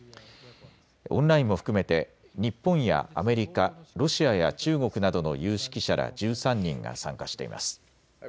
オンラインも含めて日本やアメリカ、ロシアや中国などの有識者ら１３人が参加しています。